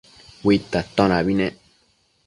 Uidta atonabi nec